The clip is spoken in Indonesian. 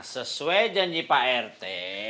sesuai janji pak rt